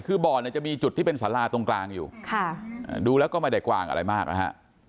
คือบ่อเนี่ยจะมีจุดที่เป็นสาราตรงกลางอยู่ดูแล้วก็ไม่ได้กวางอะไรมากนะฮะ